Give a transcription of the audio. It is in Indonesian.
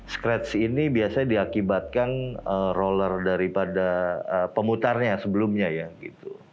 scratch ini biasanya diakibatkan roller daripada pemutarnya sebelumnya ya gitu